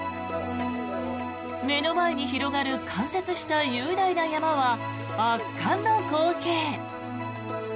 目の前に広がる冠雪した雄大な山は圧巻の光景。